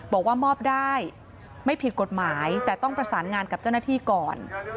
บอกว่ามอบได้ไม่ผิดกฎหมายแต่ต้องประสานงานกับเจ้าหน้าที่ก่อน